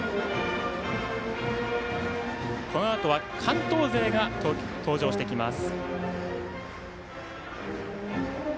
このあとは関東勢が登場してきます。